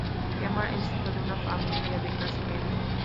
Kemal es hijo de una familia de clase media.